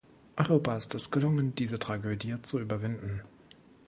Europa ist es gelungen, diese Tragödie zu überwinden.